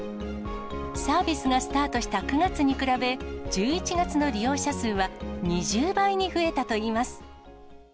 サービスがスタートした９月に比べ、１１月の利用者数は２０倍に増えたといいます。